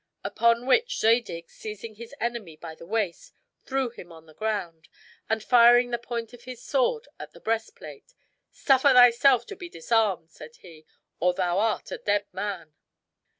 Upon which Zadig, seizing his enemy by the waist, threw him on the ground; and firing the point of his sword at the breastplate, "Suffer thyself to be disarmed," said he, "or thou art a dead man."